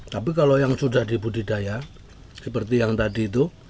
tapi kalau yang sudah dibudidaya seperti yang tadi itu